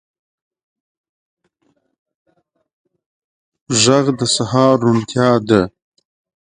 غږ د سهار روڼتیا ده